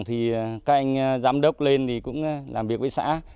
thì các anh giám đốc lên thì cũng làm việc với xã